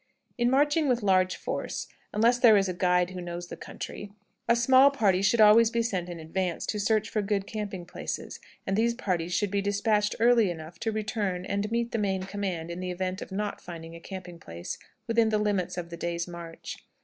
In marching with large force, unless there is a guide who knows the country, a small party should always be sent in advance to search for good camping places, and these parties should be dispatched early enough to return and meet the main command in the event of not finding a camping place within the limits of the day's march.